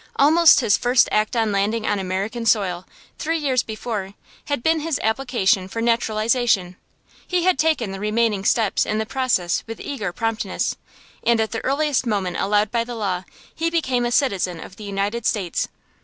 Almost his first act on landing on American soil, three years before, had been his application for naturalization. He had taken the remaining steps in the process with eager promptness, and at the earliest moment allowed by the law, he became a citizen of the United States.